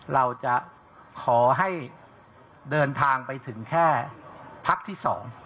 เราจะขอให้เดินทางไปถึงแค่พักที่๒